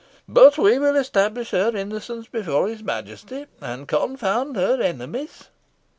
But we will establish her innocence before his Majesty, and confound her enemies."